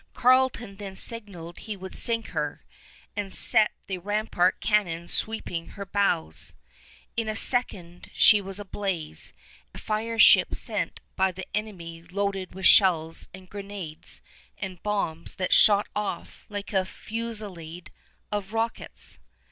Carleton then signaled he would sink her, and set the rampart cannon sweeping her bows. In a second she was ablaze, a fire ship sent by the enemy loaded with shells and grenades and bombs that shot off like a fusillade of rockets.